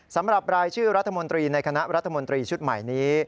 สำหรับรายชื่อรัฐมนตรีในคณะรัฐมนตรีชุดใหม่นี้